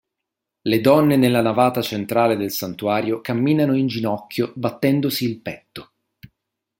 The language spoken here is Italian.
Le donne nella navata centrale del santuario camminano in ginocchio battendosi il petto.